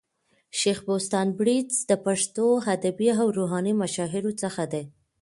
شېخ بُستان بړیڅ د پښتو ادبي او روحاني مشاهيرو څخه دئ.